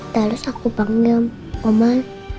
terus aku bangga omah